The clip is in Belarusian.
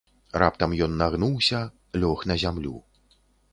Раптам ён нагнуўся, лёг на зямлю.